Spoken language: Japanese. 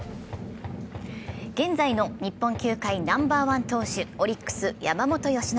現在の日本球界ナンバーワン投手、オリックス・山本由伸。